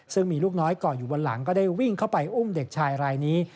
ซึ่งมีลูกน้อยก่ออยู่บนหลังก็ได้วิ่งเข้าไปอุ้มเด็กชายรายนี้